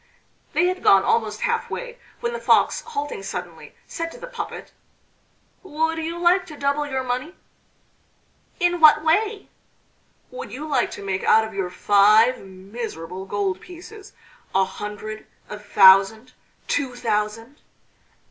They had gone almost half way when the Fox, halting suddenly, said to the puppet: "Would you like to double your money?" "In what way?" "Would you like to make out of your five miserable gold pieces, a hundred, a thousand, two thousand?"